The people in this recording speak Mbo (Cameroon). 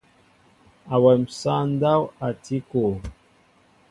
Awém sááŋ ndáw a tí kɔɔ.